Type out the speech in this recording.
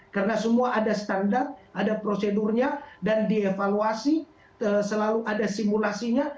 karena semua ada standar ada prosedurnya dan dievaluasi selalu ada simulasinya